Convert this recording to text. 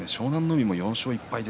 海も４勝１敗。